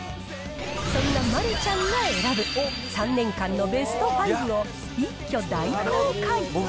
そんな丸ちゃんが選ぶ、３年間のベスト５を一挙大公開。